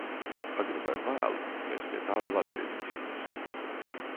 Agri vai vēlu mēs pie tā vēl atgriezīsimies.